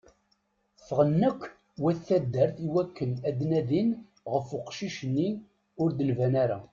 Ffɣen akk wat taddart i wakken ad nadin ɣef uqcic-nni ur d-nban ara.